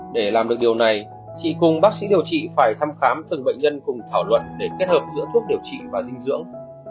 để làm được điều này chị cùng bác sĩ điều trị phải thăm khám từng bệnh nhân cùng thảo luận để kết hợp giữa thuốc điều trị và dinh dưỡng